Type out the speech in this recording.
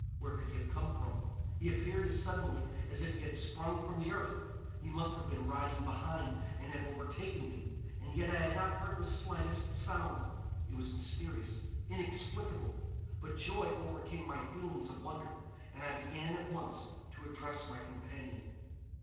Where could he have come from? He appeared as suddenly as if he had sprung from the earth; he must have been riding behind and have overtaken me, and yet I had not heard the slightest sound. It was mysterious, inexplicable; but joy overcame my feelings of wonder, and I began at once to address my companion.